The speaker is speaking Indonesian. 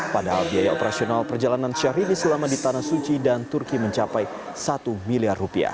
padahal biaya operasional perjalanan syahrini selama di tanah suci dan turki mencapai rp satu miliar